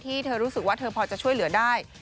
ที่เธอรู้สึกว่าเธอพอจะช่วยเหลือได้